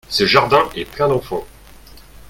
Ce jardin est plein d'enfants.